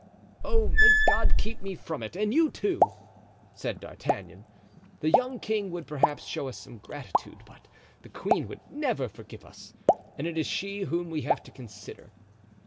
"Oh, may God keep me from it, and you, too!" said D'Artagnan. "The young king would, perhaps, show us some gratitude; but the queen would never forgive us, and it is she whom we have to consider.